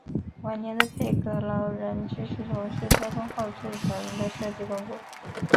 晚年的佩格劳仍继续从事交通号志小人的设计工作。